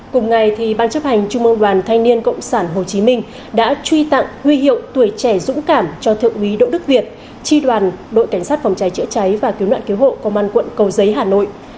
cùng ngày ban chấp hành trung mương đoàn thanh niên cộng sản hồ chí minh đã truy tặng huy hiệu tuổi trẻ dũng cảm cho thượng úy đỗ đức việt tri đoàn đội cảnh sát phòng cháy chữa cháy và cứu nạn cứu hộ công an quận cầu giấy hà nội